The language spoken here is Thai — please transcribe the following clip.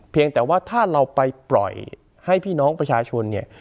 เพียงแต่ว่าถ้าเราไปปล่อยให้พี่น้องประชาชนเนี่ย